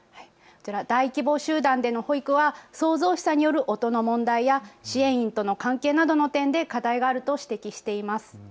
大規模集団での保育は騒々しさによる音の問題や支援員との関係などの点で課題があると指摘しています。